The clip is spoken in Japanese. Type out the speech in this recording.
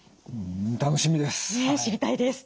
楽しみです！